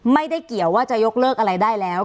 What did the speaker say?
ไม่ได้เกี่ยวว่าจะยกเลิกอะไรได้แล้ว